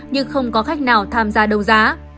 nhưng không có khách nào tham gia đấu giá